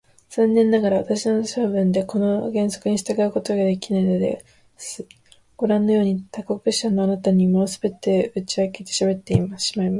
残念ながら、私は性分でこの原則に従うことができないのです。ごらんのように、他国者のあなたにも、すべて打ち明けてしゃべってしまいます。